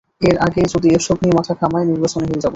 এর আগেই যদি এসব নিয়ে মাথা ঘামাই, নির্বাচনে হেরে যাব।